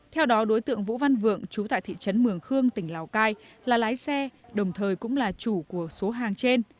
theo đó đối tượng vũ văn vượng chú tại thị trấn mường khương tỉnh lào cai là lái xe đồng thời cũng là chủ của số hàng trên